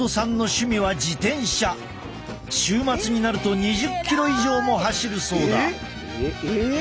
週末になると２０キロ以上も走るそうだ。